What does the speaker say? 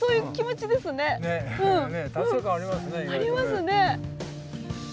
ありますね。